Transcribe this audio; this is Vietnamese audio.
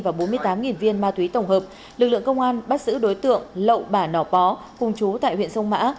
và bốn mươi tám viên ma túy tổng hợp lực lượng công an bắt giữ đối tượng lậu bà nò pó cùng chú tại huyện sông mã